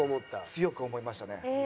強く思いましたね。